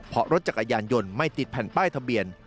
เพราะรถจักรยานยนต์ไม่ติดแผ่นป้ายทะเบียน